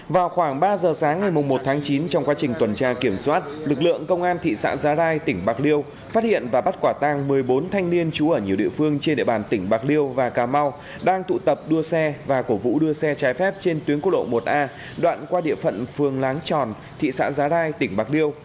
vào khoảng ba giờ sáng ngày một tháng chín trong quá trình tuần tra kiểm soát lực lượng công an thị xã giá rai tỉnh bạc liêu phát hiện và bắt quả tang một mươi bốn thanh niên trú ở nhiều địa phương trên địa bàn tỉnh bạc liêu và cà mau đang tụ tập đua xe và cổ vũ đua xe trái phép trên tuyến quốc lộ một a đoạn qua địa phận phương láng tròn thị xã giá rai tỉnh bạc liêu